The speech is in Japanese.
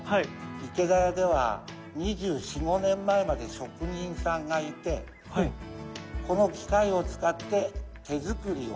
池田屋では２４２５年前まで職人さんがいてこの機械を使って手作りを。